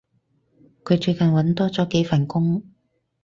佢最近搵多咗幾份工